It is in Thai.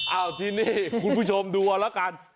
ที่นี่คุณผู้ชมดูเอาละกัน